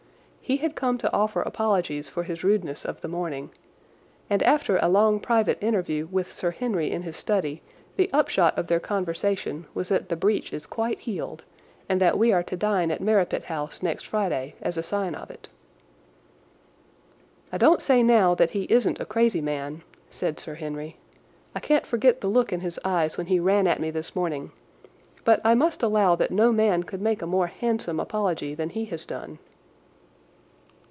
He had come to offer apologies for his rudeness of the morning, and after a long private interview with Sir Henry in his study the upshot of their conversation was that the breach is quite healed, and that we are to dine at Merripit House next Friday as a sign of it. "I don't say now that he isn't a crazy man," said Sir Henry; "I can't forget the look in his eyes when he ran at me this morning, but I must allow that no man could make a more handsome apology than he has done."